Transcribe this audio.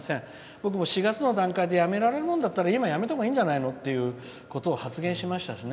僕も４月の段階でやめられるなら、今はやめたほうがいいんじゃないと発言しましたしね。